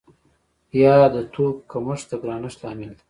یا د توکو کمښت د ګرانښت لامل دی؟